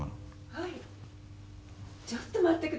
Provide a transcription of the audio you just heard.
・はいちょっと待ってくださいね。